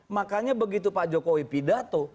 makanya begitu pak jokowi pidato